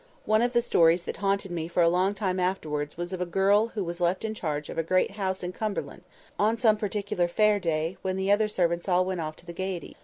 One of the stories that haunted me for a long time afterwards was of a girl who was left in charge of a great house in Cumberland on some particular fair day, when the other servants all went off to the gaieties.